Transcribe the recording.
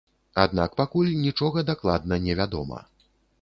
Аднак пакуль нічога дакладна невядома.